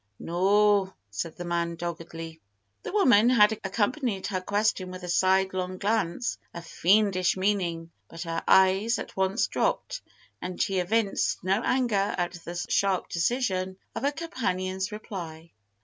"No," said the man, doggedly. The woman had accompanied her question with a sidelong glance of fiendish meaning, but her eyes at once dropped, and she evinced no anger at the sharp decision of her companion's reply.